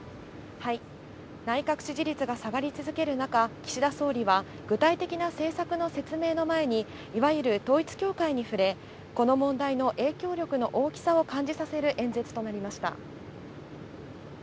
内閣支持率が下がり続ける中、岸田総理は、具体的な政策の説明の前に、いわゆる統一教会にふれ、この問題の影響力の大きさを感じさせる演説となりました。